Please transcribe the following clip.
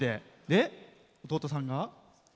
弟さんが？